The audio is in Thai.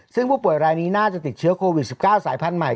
ซึ่งผู้ป่วยรายนี้น่าจะติดเชื้อโควิด๑๙สายพันธุ์ใหม่